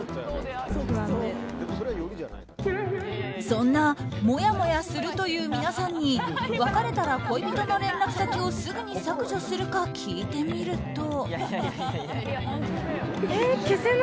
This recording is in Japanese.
そんなもやもやするという皆さんに別れたら恋人の連絡先をすぐに削除するか聞いてみると。